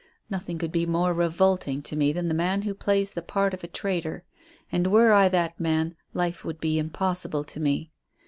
Nothing could be more revolting to me than the man who plays the part of a traitor, and were I that man life would be impossible to me.